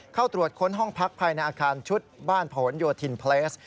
เข้าตรวจค้นห้องพักภายในอาคารชุดบ้านผนโยธินเพลส